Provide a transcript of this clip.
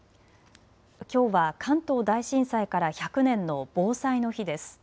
きょうは関東大震災から１００年の防災の日です。